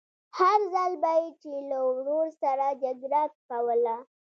هر ځل به يې چې له ورور سره جګړه کوله.